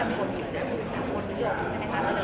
ไม่ได้สบายไม่ได้สบาย